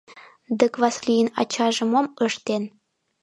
Дык Васлийын ачаже мом ыштен?